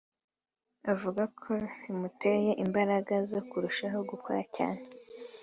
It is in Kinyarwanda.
avuga ko bimuteye imbaraga zo kurushaho gukora cyane